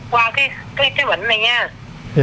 ba qua cái bệnh này nha